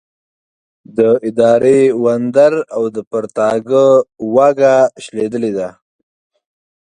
د اداري وندر او د پرتاګه واګه شلېدلې ده.